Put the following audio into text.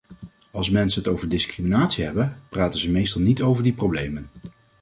Als mensen het over discriminatie hebben, praten ze meestal niet over die problemen.